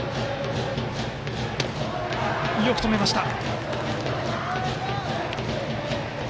よく止めました。